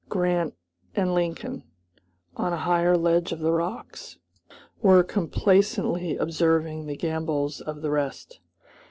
Grant and Lincoln, on a higher ledge of the rocks, were complacently observing the gambols of the rest.